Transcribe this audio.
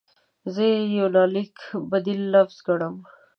زه یې د یونلیک بدیل لفظ ګڼم.